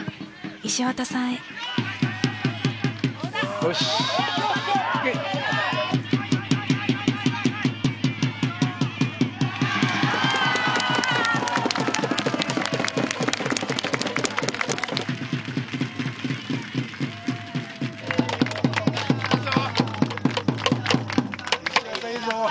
石渡いいぞ！